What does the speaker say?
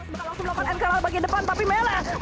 bukan langsung melakukan nkl bagian depan tapi mele